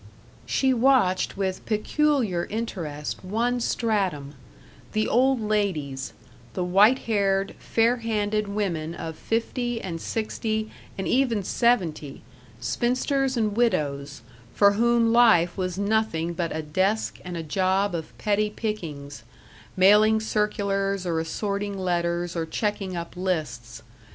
She watched with peculiar interest one stratum: the old ladies, the white haired, fair handed women of fifty and sixty and even seventy, spinsters and widows, for whom life was nothing but a desk and a job of petty pickings mailing circulars or assorting letters or checking up lists.